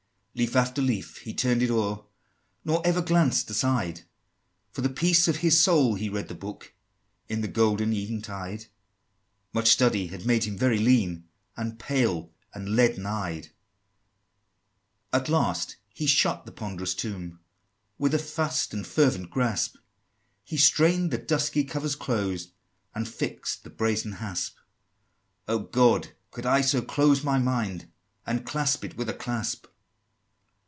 V. Leaf after leaf he turn'd it o'er, Nor ever glanced aside, For the peace of his soul he read that book In the golden eventide: Much study had made him very lean, And pale, and leaden eyed. VI. At last he shut the ponderous tome, With a fast and fervent grasp He strain'd the dusky covers close, And fix'd the brazen hasp: "Oh, God! could I so close my mind, And clasp it with a clasp!"